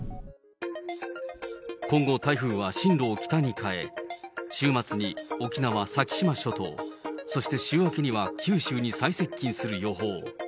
今後、台風は進路を北に変え、週末に沖縄・先島諸島、そして週明けには九州に最接近する予報。